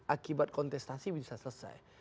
akibat kontestasi bisa selesai